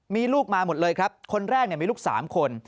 มีลูกมาหมดเลยครับคนแรกมีลูก๓คน